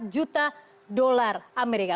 empat juta dolar amerika